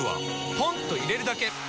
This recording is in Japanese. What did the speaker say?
ポンと入れるだけ！